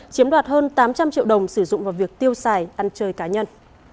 chiếm đoạt hơn tám trăm linh triệu đồng sử dụng vào việc tiêu xài ăn chơi cá nhân